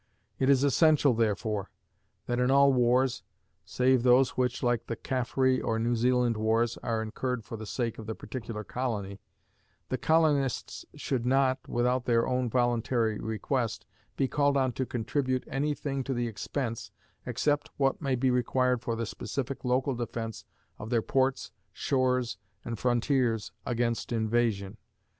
It is essential, therefore, that in all wars, save those which, like the Caffre or New Zealand wars, are incurred for the sake of the particular colony, the colonists should not (without their own voluntary request) be called on to contribute any thing to the expense except what may be required for the specific local defense of their ports, shores, and frontiers against invasion.